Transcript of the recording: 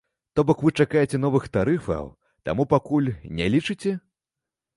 То бок вы чакаеце новых тарыфаў, таму пакуль не лічыце?